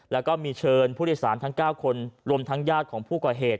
แล้วก็มีเชิญผู้โดยสารทั้ง๙คนรวมทั้งญาติของผู้ก่อเหตุ